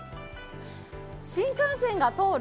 新幹線が通る